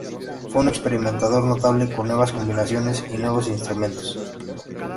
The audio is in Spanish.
Fue un experimentador notable con nuevas combinaciones y nuevos instrumentos.